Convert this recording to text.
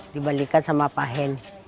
dibalikan oleh pahen